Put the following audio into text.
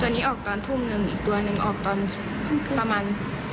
นี้ออกตอนทุ่มหนึ่งอีกตัวหนึ่งออกตอนประมาณ